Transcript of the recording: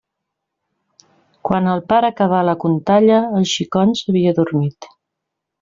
Quan el pare acabà la contalla, el xicon s'havia adormit.